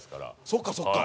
そっかそっか。